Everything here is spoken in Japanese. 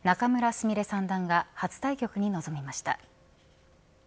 菫三段が初対局に臨みました。